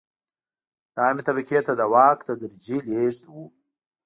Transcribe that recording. د عامې طبقې ته د واک تدریجي لېږد و.